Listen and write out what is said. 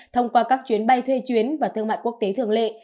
thông qua các chuyến bay thuê chuyến và thương mại quốc tế thường lệ